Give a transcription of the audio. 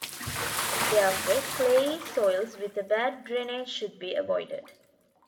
Therefore, clayey soils with a bad drainage should be avoided.